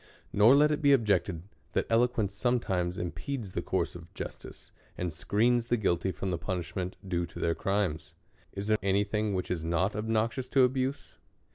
Nor let it be objected, that eloquence sometimes im pedes the course of justice, and screens the guilty fi'om the punishment due to their crimes. Is there any thing which is not obnoxious to abuse?